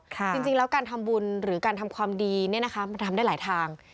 จริงแล้วการทำบุญหรือการทำความดีเนี่ยนะคะมันทำได้หลายทาง